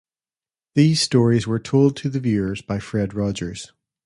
These stories were told to the viewers by Fred Rogers.